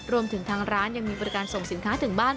รวมถึงทางร้านยังมีบริการส่งสินค้าถึงบ้าน